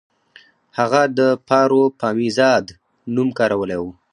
هغه د پاروپامیزاد نوم کارولی و